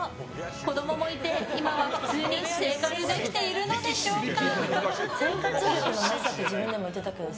子供もいて、今は普通に生活できているのでしょうか？